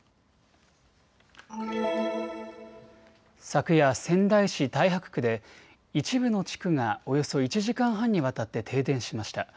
昨夜、仙台市太白区で一部の地区がおよそ１時間半にわたって停電しました。